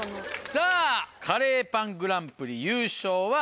さぁカレーパングランプリ優勝は？